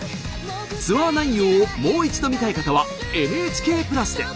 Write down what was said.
ツアー内容をもう一度見たい方はＮＨＫプラスで。